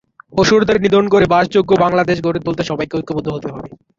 অসুরদের নিধন করে বাসযোগ্য বাংলাদেশ গড়ে তুলতে সবাইকে ঐক্যবদ্ধ হতে হবে।